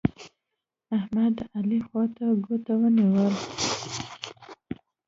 احمد؛ د علي خوا ته ګوته ونيول.